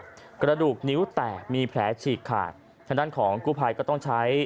เข้าไปในเครื่องบดกระดูกนิ้วแตกมีแผลฉีกขาดฉะนั้นของกูภัยก็ต้องใช้